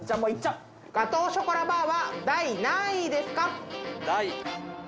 ガトーショコラバーは第何位ですか？